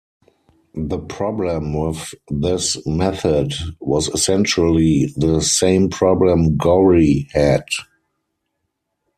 The problem with this method was essentially the same problem Gorrie had.